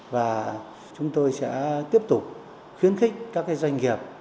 và chúng tôi sẽ tiếp tục khuyến khích các doanh nghiệp